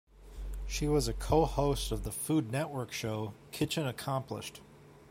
She was a co-host of the Food Network show "Kitchen Accomplished".